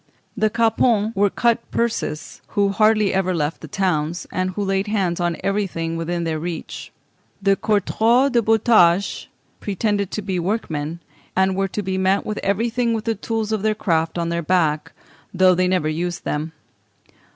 376). The capons were cut purses, who hardly ever left the towns, and who laid hands on everything within their reach. The courtauds de boutanche pretended to be workmen, and were to be met with everywhere with the tools of their craft on their back, though they never used them.